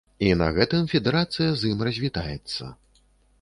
І на гэтым федэрацыя з ім развітаецца.